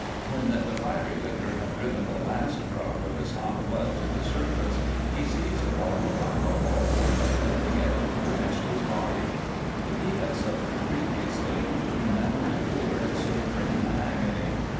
When the fiery liquor had driven the last drop of his hot blood to the surface he seized a bottle of alcohol and, upending it, drenched his body. If he had suffered previously, he now endured supreme agony.